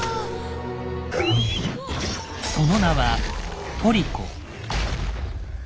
その名は「トリコ」。